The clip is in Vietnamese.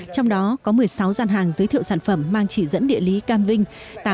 trong đó có một mươi sáu gian hàng giới thiệu sản phẩm mang chỉ dẫn địa lý cam vinh